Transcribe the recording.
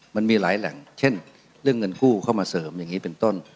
มันมีหลายแหล่งเช่นเรื่องเงินกู้เข้ามาเสริมอย่างนี้เป็นต้น